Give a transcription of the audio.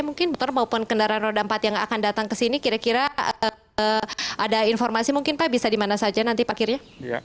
mungkin betul maupun kendaraan roda empat yang akan datang kesini kira kira ada informasi mungkin pak bisa dimana saja nanti parkirnya